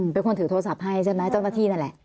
เป็นคนถือโทรศัพท์ให้ใช่ไหมเจ้าหน้าที่นั่นแหละ